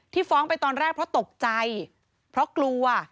ฟ้องไปตอนแรกเพราะตกใจเพราะกลัว